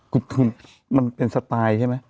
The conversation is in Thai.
ก็คือมันเป็นสไตล์ใช่ไหม